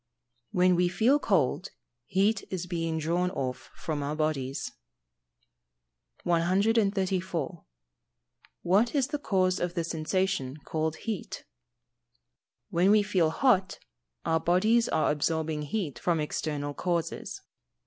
_ When we feel cold, heat is being drawn off from our bodies. 134. What is the cause of the sensation called heat? When we feel hot, our bodies are absorbing heat from external causes.